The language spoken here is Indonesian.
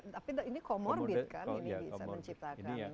tapi ini comorbid kan ini bisa menciptakan